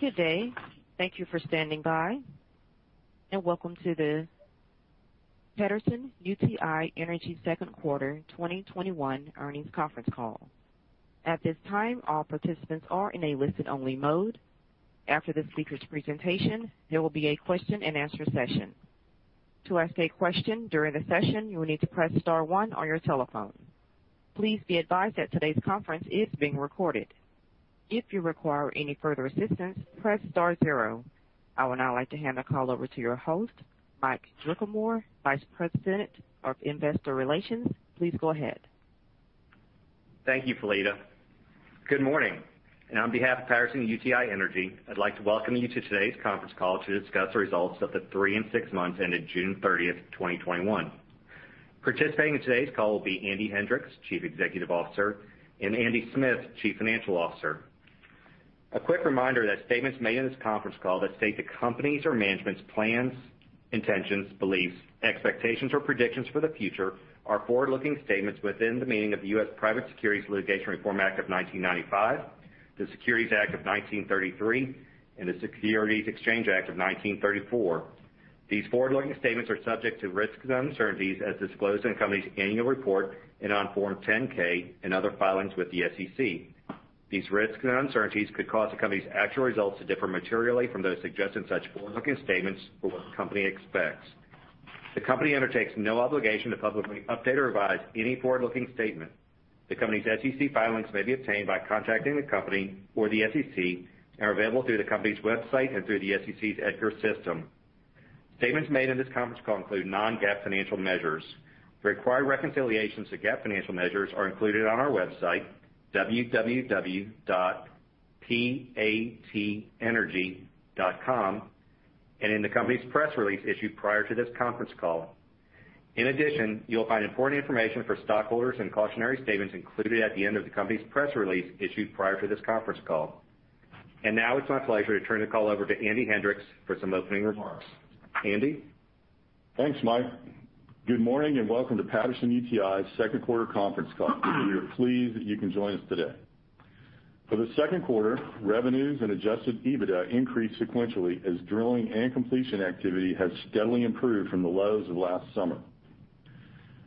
Good day. Thank you for standing by, and welcome to the Patterson-UTI Energy second quarter 2021 earnings conference call. At this time, all participants are in a listen-only mode. After the speaker's presentation, there will be a question and answer session. To ask a question during the session, you will need to press star one on your telephone. Please be advised that today's conference is being recorded. If you require any further assistance, press star zero. I would now like to hand the call over to your host, Mike Drickamer, Vice President of Investor Relations. Please go ahead. Thank you, Talita. Good morning, and on behalf of Patterson-UTI Energy, I'd like to welcome you to today's conference call to discuss the results of the three and six months ended June 30th, 2021. Participating in today's call will be Andy Hendricks, Chief Executive Officer, and Andy Smith, Chief Financial Officer. A quick reminder that statements made in this conference call that state the company's or management's plans, intentions, beliefs, expectations, or predictions for the future are forward-looking statements within the meaning of the U.S. Private Securities Litigation Reform Act of 1995, the Securities Act of 1933, and the Securities Exchange Act of 1934. These forward-looking statements are subject to risks and uncertainties as disclosed in the company's annual report, and on Form 10-K and other filings with the SEC. These risks and uncertainties could cause the company's actual results to differ materially from those suggested in such forward-looking statements for what the company expects. The company undertakes no obligation to publicly update or revise any forward-looking statement. The company's SEC filings may be obtained by contacting the company or the SEC and are available through the company's website and through the SEC's EDGAR system. Statements made in this conference call include non-GAAP financial measures. Required reconciliations to GAAP financial measures are included on our website, www.patenergy.com, and in the company's press release issued prior to this conference call. In addition, you'll find important information for stockholders and cautionary statements included at the end of the company's press release issued prior to this conference call. Now it's my pleasure to turn the call over to Andy Hendricks for some opening remarks. Andy? Thanks, Mike. Good morning and welcome to Patterson-UTI's second quarter conference call. We are pleased that you can join us today. For the second quarter, revenues and adjusted EBITDA increased sequentially as drilling and completion activity has steadily improved from the lows of last summer.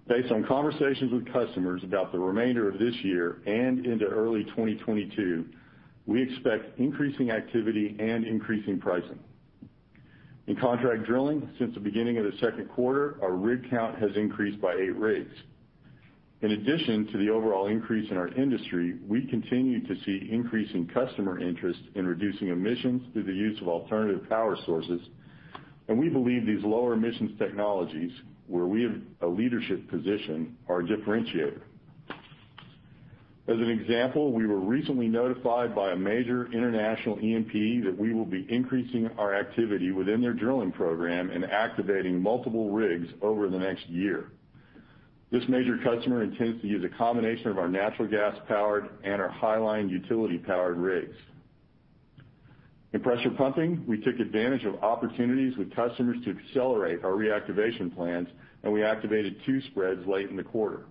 Based on conversations with customers about the remainder of this year and into early 2022, we expect increasing activity and increasing pricing. In contract drilling, since the beginning of the second quarter, our rig count has increased by eight rigs. In addition to the overall increase in our industry, we continue to see increasing customer interest in reducing emissions through the use of alternative power sources, and we believe these lower emissions technologies, where we have a leadership position, are a differentiator. As an example, we were recently notified by a major international E&P that we will be increasing our activity within their drilling program and activating multiple rigs over the next year. This major customer intends to use a combination of our natural gas-powered and our highline utility powered rigs. In pressure pumping, we took advantage of opportunities with customers to accelerate our reactivation plans, and we activated two spreads late in the quarter.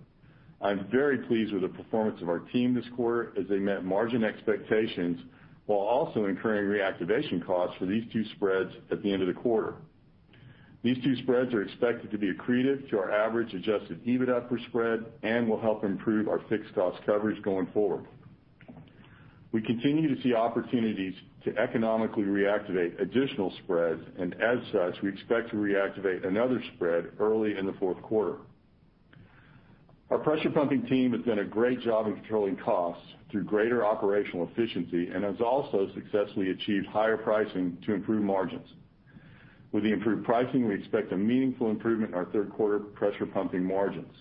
I'm very pleased with the performance of our team this quarter as they met margin expectations while also incurring reactivation costs for these two spreads at the end of the quarter. These two spreads are expected to be accretive to our average adjusted EBITDA per spread and will help improve our fixed cost coverage going forward. We continue to see opportunities to economically reactivate additional spreads, and as such, we expect to reactivate another spread early in the fourth quarter. Our pressure pumping team has done a great job of controlling costs through greater operational efficiency and has also successfully achieved higher pricing to improve margins. With the improved pricing, we expect a meaningful improvement in our third quarter pressure pumping margins.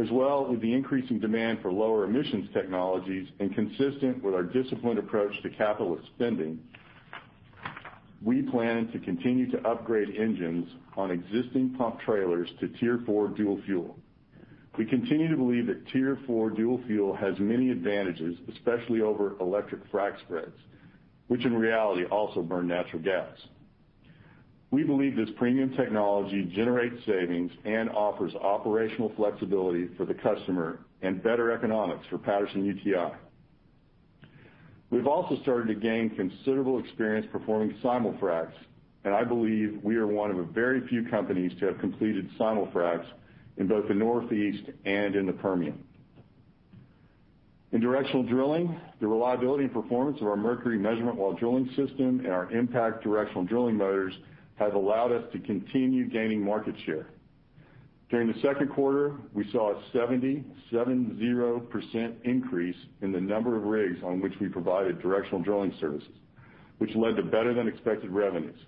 As well, with the increasing demand for lower emissions technologies and consistent with our disciplined approach to capital spending, we plan to continue to upgrade engines on existing pump trailers to Tier 4 dual fuel. We continue to believe that Tier 4 dual fuel has many advantages, especially over electric frac spreads, which in reality also burn natural gas. We believe this premium technology generates savings and offers operational flexibility for the customer and better economics for Patterson-UTI. We've also started to gain considerable experience performing simul-fracs, and I believe we are one of a very few companies to have completed simul-fracs in both the Northeast and in the Permian. In directional drilling, the reliability and performance of our Mercury measurement while drilling system and our Impact directional drilling motors have allowed us to continue gaining market share. During the second quarter, we saw a 70% increase in the number of rigs on which we provided directional drilling services, which led to better than expected revenues.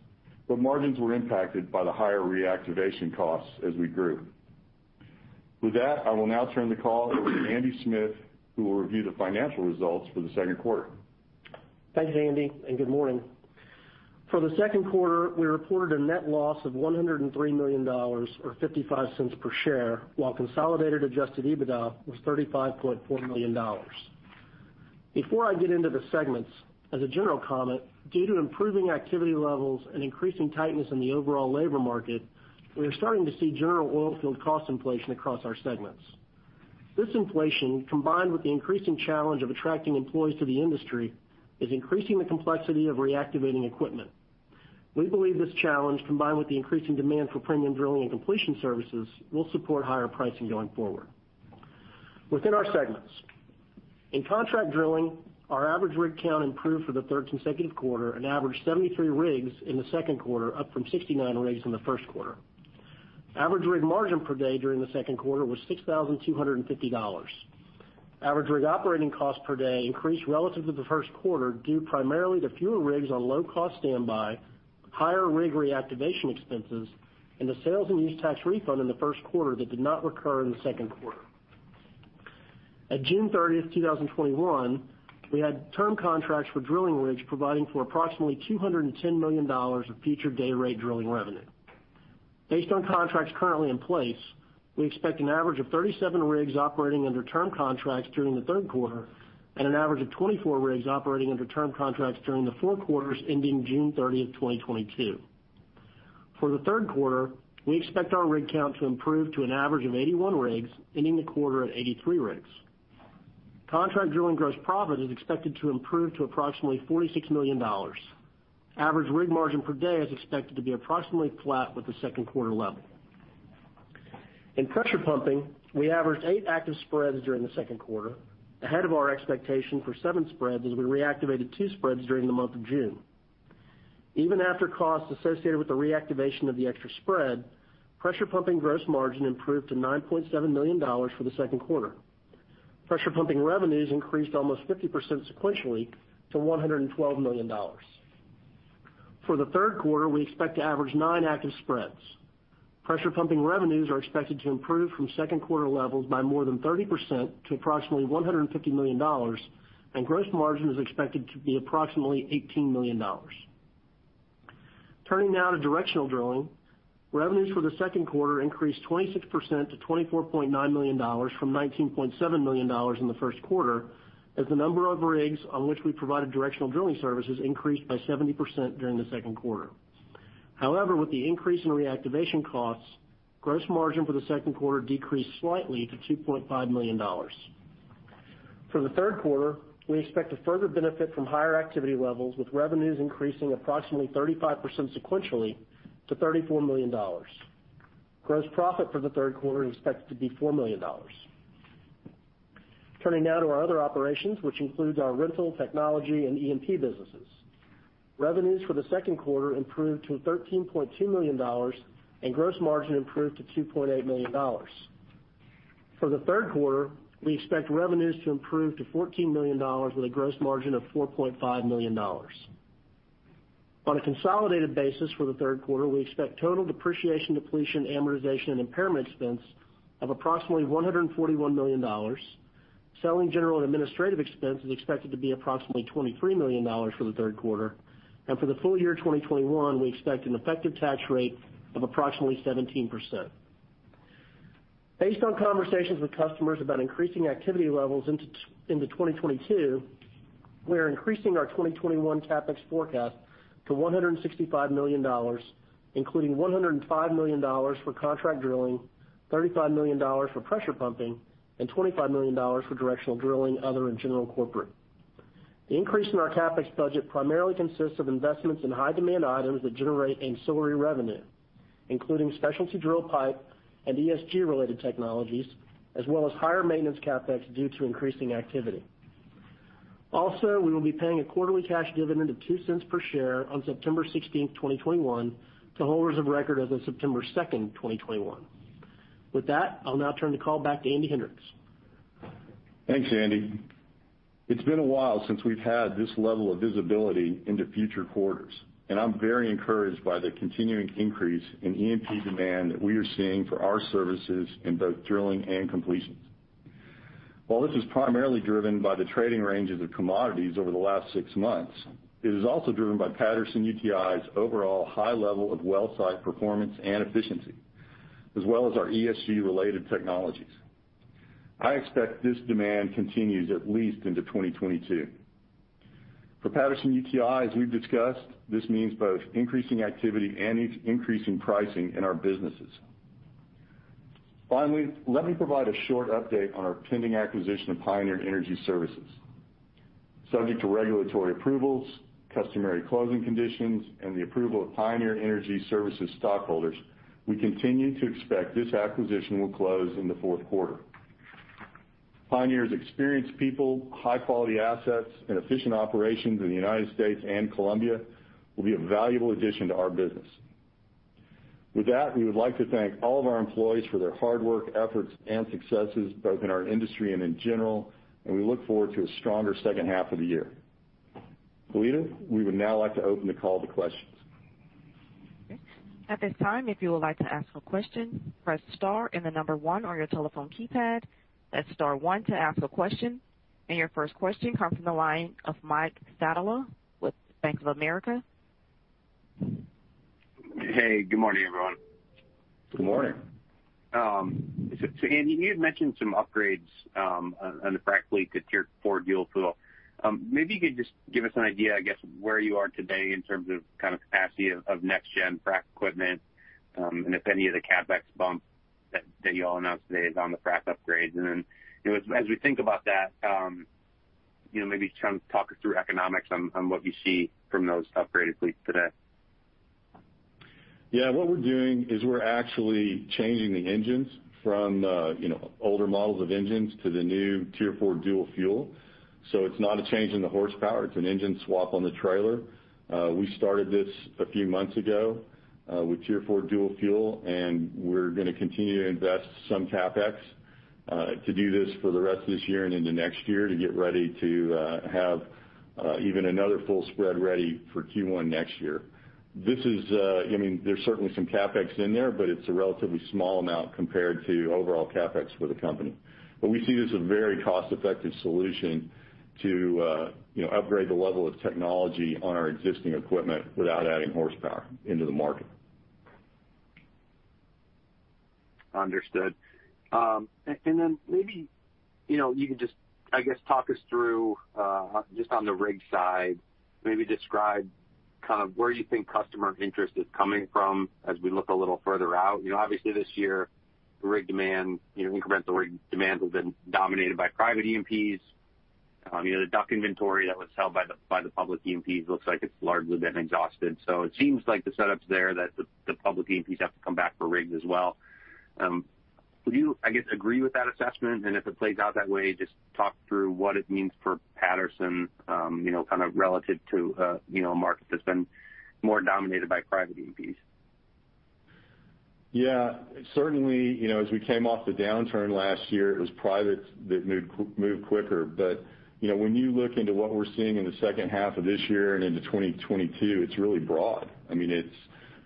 Margins were impacted by the higher reactivation costs as we grew. With that, I will now turn the call over to Andy Smith, who will review the financial results for the second quarter. Thanks, Andy. Good morning. For the second quarter, we reported a net loss of $103 million, or $0.55 per share, while consolidated adjusted EBITDA was $35.4 million. Before I get into the segments, as a general comment, due to improving activity levels and increasing tightness in the overall labor market, we are starting to see general oil field cost inflation across our segments. This inflation, combined with the increasing challenge of attracting employees to the industry, is increasing the complexity of reactivating equipment. We believe this challenge, combined with the increasing demand for premium drilling and completion services, will support higher pricing going forward. Within our segments, in contract drilling, our average rig count improved for the third consecutive quarter and averaged 73 rigs in the second quarter, up from 69 rigs in the first quarter. Average rig margin per day during the second quarter was $6,250. Average rig operating cost per day increased relative to the first quarter due primarily to fewer rigs on low-cost standby, higher rig reactivation expenses, and the sales and use tax refund in the first quarter that did not recur in the second quarter. At June 30th, 2021, we had term contracts for drilling rigs providing for approximately $210 million of future day rate drilling revenue. Based on contracts currently in place, we expect an average of 37 rigs operating under term contracts during the third quarter and an average of 24 rigs operating under term contracts during the four quarters ending June 30th, 2022. For the third quarter, we expect our rig count to improve to an average of 81 rigs, ending the quarter at 83 rigs. Contract drilling gross profit is expected to improve to approximately $46 million. Average rig margin per day is expected to be approximately flat with the second quarter level. In pressure pumping, we averaged eight active spreads during the second quarter, ahead of our expectation for seven spreads, as we reactivated two spreads during the month of June. Even after costs associated with the reactivation of the extra spread, pressure pumping gross margin improved to $9.7 million for the second quarter. Pressure pumping revenues increased almost 50% sequentially to $112 million. For the third quarter, we expect to average nine active spreads. Pressure pumping revenues are expected to improve from second quarter levels by more than 30% to approximately $150 million, and gross margin is expected to be approximately $18 million. Turning now to directional drilling. Revenues for the second quarter increased 26% to $24.9 million from $19.7 million in the first quarter, as the number of rigs on which we provided directional drilling services increased by 70% during the second quarter. However, with the increase in reactivation costs, gross margin for the second quarter decreased slightly to $2.5 million. For the third quarter, we expect to further benefit from higher activity levels, with revenues increasing approximately 35% sequentially to $34 million. Gross profit for the third quarter is expected to be $4 million. Turning now to our other operations, which includes our rental, technology, and E&P businesses. Revenues for the second quarter improved to $13.2 million, and gross margin improved to $2.8 million. For the third quarter, we expect revenues to improve to $14 million with a gross margin of $4.5 million. On a consolidated basis for the third quarter, we expect total depreciation, depletion, amortization, and impairment expense of approximately $141 million. Selling general and administrative expense is expected to be approximately $23 million for the third quarter. For the full year 2021, we expect an effective tax rate of approximately 17%. Based on conversations with customers about increasing activity levels into 2022, we are increasing our 2021 CapEx forecast to $165 million, including $105 million for contract drilling, $35 million for pressure pumping, and $25 million for directional drilling, other, and general corporate. The increase in our CapEx budget primarily consists of investments in high-demand items that generate ancillary revenue, including specialty drill pipe and ESG-related technologies, as well as higher maintenance CapEx due to increasing activity. Also, we will be paying a quarterly cash dividend of $0.02 per share on September 16, 2021, to holders of record as of September 2, 2021. With that, I'll now turn the call back to Andy Hendricks. Thanks, Andy. It's been a while since we've had this level of visibility into future quarters, and I'm very encouraged by the continuing increase in E&P demand that we are seeing for our services in both drilling and completions. While this is primarily driven by the trading ranges of commodities over the last six months, it is also driven by Patterson-UTI's overall high level of well site performance and efficiency, as well as our ESG-related technologies. I expect this demand continues at least into 2022. For Patterson-UTI, as we've discussed, this means both increasing activity and increasing pricing in our businesses. Finally, let me provide a short update on our pending acquisition of Pioneer Energy Services. Subject to regulatory approvals, customary closing conditions, and the approval of Pioneer Energy Services stockholders, we continue to expect this acquisition will close in the fourth quarter. Pioneer's experienced people, high-quality assets, and efficient operations in the U.S. and Colombia will be a valuable addition to our business. With that, we would like to thank all of our employees for their hard work, efforts, and successes, both in our industry and in general, and we look forward to a stronger second half of the year. Talita, we would now like to open the call to questions. At this time, if you would like to ask a question, press star and the number one on your telephone keypad. That's star one to ask a question. Your first question comes from the line of Mike Sabella with Bank of America. Hey, good morning, everyone. Good morning. Andy, you had mentioned some upgrades on the frac fleet to Tier 4 dual fuel. Maybe you could just give us an idea, I guess, where you are today in terms of capacity of next gen frac equipment, and if any of the CapEx bump that you all announced today is on the frac upgrades. As we think about that, maybe try and talk us through economics on what you see from those upgraded fleets today. What we're doing is we're actually changing the engines from older models of engines to the new Tier 4 dual fuel. It's not a change in the horsepower, it's an engine swap on the trailer. We started this a few months ago, with Tier 4 dual fuel, and we're going to continue to invest some CapEx to do this for the rest of this year and into next year to get ready to have even another full spread ready for Q1 next year. There's certainly some CapEx in there, but it's a relatively small amount compared to overall CapEx for the company. We see this a very cost-effective solution to upgrade the level of technology on our existing equipment without adding horsepower into the market. Understood. Maybe, you could just, I guess, talk us through, just on the rig side, maybe describe where you think customer interest is coming from as we look a little further out. Obviously this year, rig demand, incremental rig demand, has been dominated by private E&Ps. The DUC inventory that was held by the public E&Ps looks like it's largely been exhausted. It seems like the setup's there, that the public E&Ps have to come back for rigs as well. Would you, I guess, agree with that assessment? If it plays out that way, just talk through what it means for Patterson, kind of relative to a market that's been more dominated by private E&Ps. Yeah. Certainly, as we came off the downturn last year, it was private that moved quicker. When you look into what we're seeing in the second half of this year and into 2022, it's really broad. It's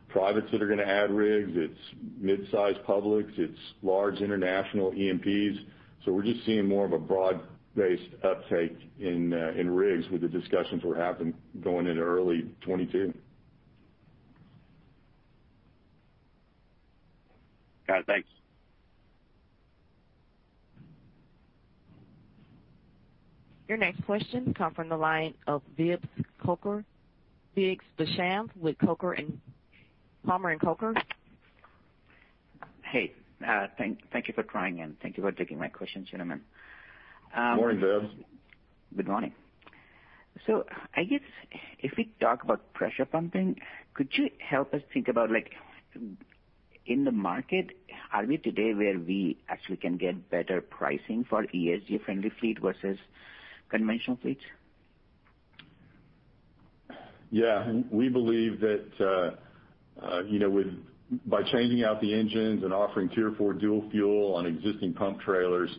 privates that are going to add rigs. It's mid-size publics. It's large international E&Ps. We're just seeing more of a broad-based uptake in rigs with the discussions we're having going into early 2022. Got it. Thanks. Your next question come from the line of Vaibhav Vaishnav, Vaibhav Vaishnav with Coker Palmer. Hey. Thank you for trying, and thank you for taking my question, gentlemen. Morning, Vaibhav. Good morning. I guess if we talk about pressure pumping, could you help us think about, in the market, are we today where we actually can get better pricing for ESG-friendly fleet versus conventional fleet? Yeah. We believe that by changing out the engines and offering Tier 4 dual fuel on existing pump trailers,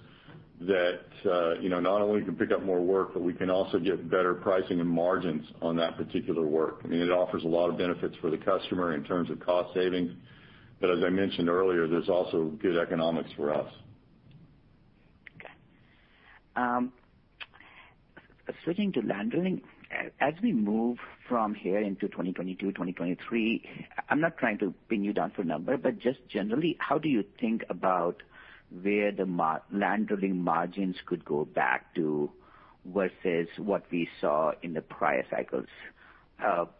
that not only can we pick up more work, but we can also get better pricing and margins on that particular work. It offers a lot of benefits for the customer in terms of cost savings. As I mentioned earlier, there's also good economics for us. Switching to land drilling, as we move from here into 2022, 2023, I'm not trying to pin you down for a number, but just generally, how do you think about where the land drilling margins could go back to versus what we saw in the prior cycles?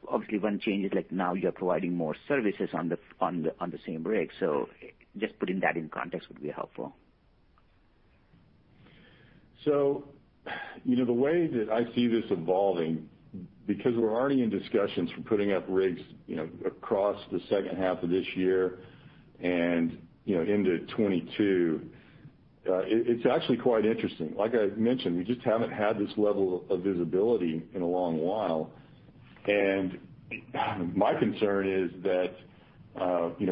Obviously, one change is now you're providing more services on the same rig. Just putting that in context would be helpful. The way that I see this evolving, because we're already in discussions for putting up rigs across the second half of this year and into 2022, it's actually quite interesting. Like I mentioned, we just haven't had this level of visibility in a long while. My concern is that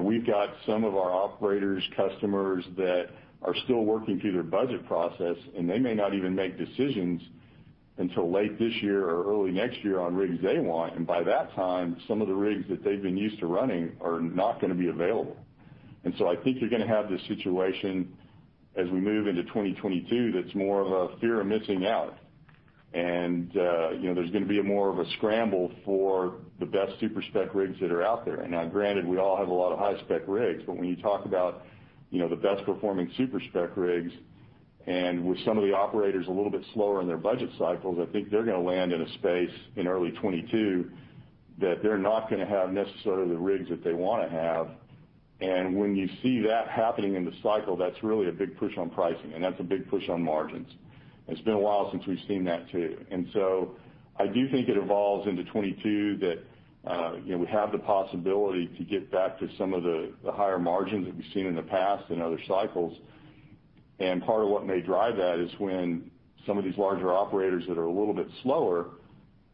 we've got some of our operators, customers, that are still working through their budget process, and they may not even make decisions until late this year or early next year on rigs they want. By that time, some of the rigs that they've been used to running are not going to be available. I think you're going to have this situation as we move into 2022, that's more of a fear of missing out. There's going to be more of a scramble for the best super-spec rigs that are out there. Granted, we all have a lot of high-spec rigs, but when you talk about the best performing super-spec rigs, and with some of the operators a little bit slower in their budget cycles, I think they're going to land in a space in early 2022 that they're not going to have necessarily the rigs that they want to have. When you see that happening in the cycle, that's really a big push on pricing, and that's a big push on margins. It's been a while since we've seen that, too. I do think it evolves into 2022 that we have the possibility to get back to some of the higher margins that we've seen in the past in other cycles. Part of what may drive that is when some of these larger operators that are a little bit slower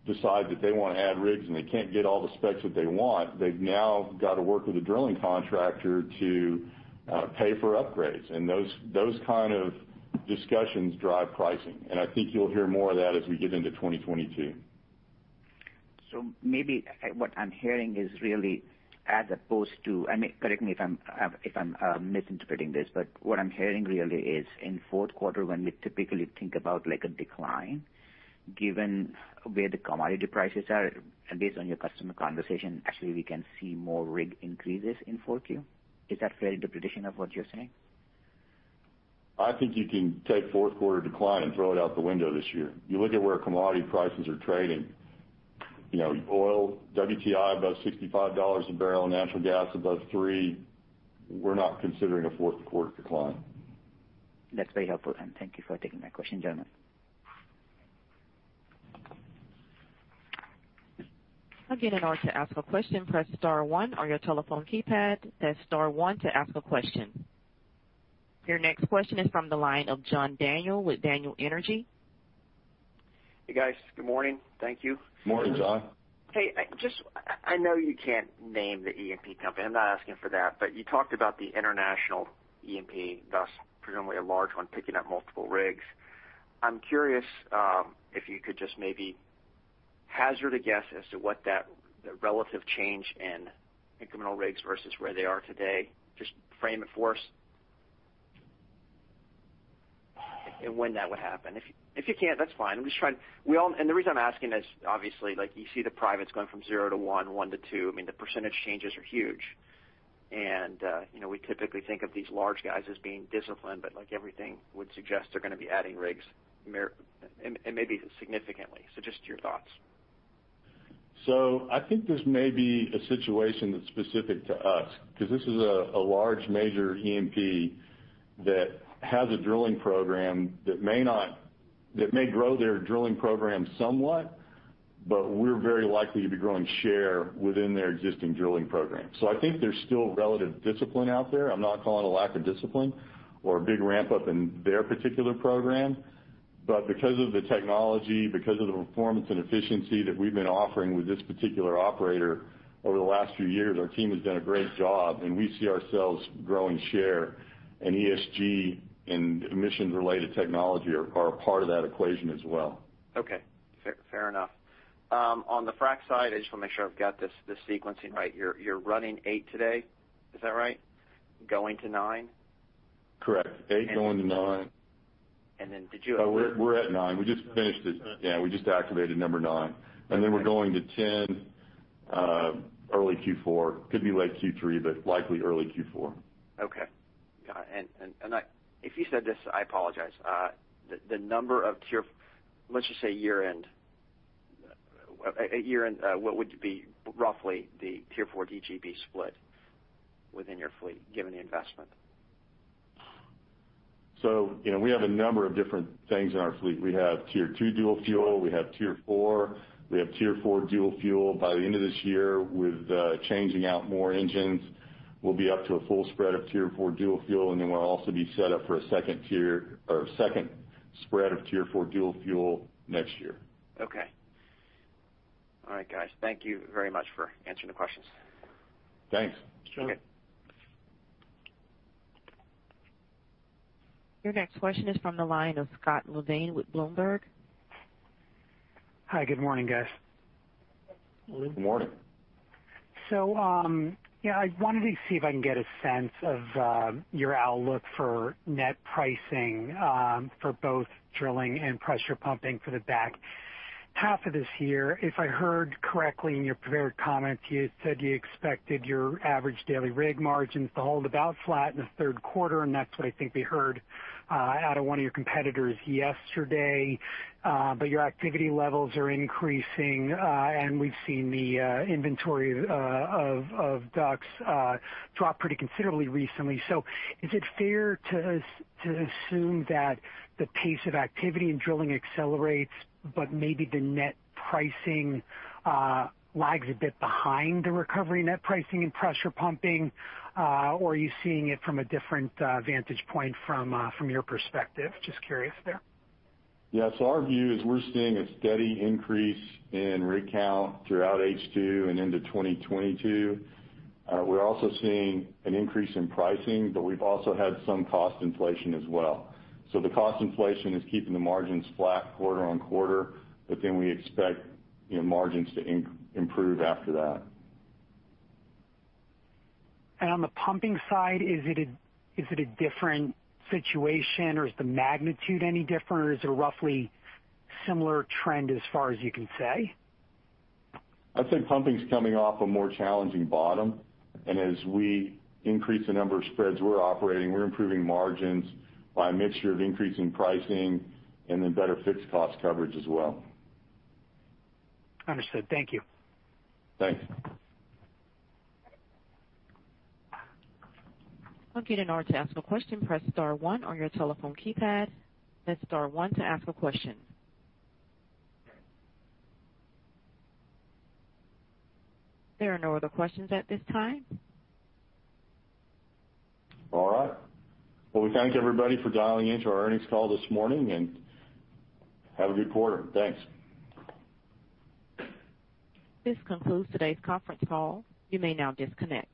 decide that they want to add rigs and they can't get all the specs that they want. They've now got to work with a drilling contractor to pay for upgrades, and those kind of discussions drive pricing. I think you'll hear more of that as we get into 2022. Maybe what I'm hearing is really as opposed to, and correct me if I'm misinterpreting this, but what I'm hearing really is in fourth quarter, when we typically think about a decline, given where the commodity prices are and based on your customer conversation, actually, we can see more rig increases in 4Q. Is that a fair interpretation of what you're saying? I think you can take fourth quarter decline and throw it out the window this year. You look at where commodity prices are trading, oil WTI above $65 a barrel, natural gas above $3. We're not considering a fourth quarter decline. That's very helpful, and thank you for taking my question, gentlemen. Again, in order to ask a question, press star one on your telephone keypad. Press star one to ask a question. Your next question is from the line of John Daniel with Daniel Energy. Hey, guys. Good morning. Thank you. Morning, John. Hey, I know you can't name the E&P company. I'm not asking for that. You talked about the international E&P, thus presumably a large one picking up multiple rigs. I'm curious if you could just maybe hazard a guess as to what that relative change in incremental rigs versus where they are today? Just frame it for us. When that would happen. If you can't, that's fine. The reason I'm asking is obviously, you see the privates going from zero to one to two. The percentage changes are huge. We typically think of these large guys as being disciplined, but everything would suggest they're going to be adding rigs, and maybe significantly. Just your thoughts. I think this may be a situation that's specific to us, because this is a large major E&P that has a drilling program that may grow their drilling program somewhat, but we're very likely to be growing share within their existing drilling program. I think there's still relative discipline out there. I'm not calling a lack of discipline or a big ramp-up in their particular program. Because of the technology, because of the performance and efficiency that we've been offering with this particular operator over the last few years, our team has done a great job, and we see ourselves growing share, and ESG and emissions-related technology are a part of that equation as well. Okay. Fair enough. On the frac side, I just want to make sure I've got this sequencing right. You're running eight today. Is that right? Going to nine? Correct. Eight going to nine. And then did you- We're at nine. We just finished it. Yeah, we just activated number nine. We're going to 10 early Q4. Could be late Q3, likely early Q4. Okay. Got it. If you said this, I apologize. The number of, let's just say year end, what would be roughly the Tier 4 DGB split within your fleet given the investment? We have a number of different things in our fleet. We have Tier 2 dual fuel, we have Tier 4, we have Tier 4 dual fuel. By the end of this year, with changing out more engines, we'll be up to a full spread of Tier 4 dual fuel, and then we'll also be set up for a second spread of Tier 4 dual fuel next year. Okay. All right, guys. Thank you very much for answering the questions. Thanks. Your next question is from the line of Scott Levine with Bloomberg. Hi, good morning, guys. Morning. I wanted to see if I can get a sense of your outlook for net pricing for both drilling and pressure pumping for the back half of this year. If I heard correctly in your prepared comments, you said you expected your average daily rig margins to hold about flat in the third quarter, and that's what I think we heard out of one of your competitors yesterday. Your activity levels are increasing, and we've seen the inventory of DUCs drop pretty considerably recently. Is it fair to assume that the pace of activity in drilling accelerates but maybe the net pricing lags a bit behind the recovery net pricing in pressure pumping? Or are you seeing it from a different vantage point from your perspective? Just curious there. Yeah. Our view is we're seeing a steady increase in rig count throughout H2 and into 2022. We're also seeing an increase in pricing. We've also had some cost inflation as well. The cost inflation is keeping the margins flat quarter-on-quarter. We expect margins to improve after that. On the pumping side, is it a different situation or is the magnitude any different, or is it a roughly similar trend as far as you can say? I'd say pumping's coming off a more challenging bottom, and as we increase the number of spreads we're operating, we're improving margins by a mixture of increasing pricing and then better fixed cost coverage as well. Understood. Thank you. Thanks. Again to ask a question press star one on your telephone keypad. That's star one to ask a question. There are no other questions at this time. All right. Well, we thank everybody for dialing in to our earnings call this morning. Have a good quarter. Thanks. This concludes today's conference call. You may now disconnect.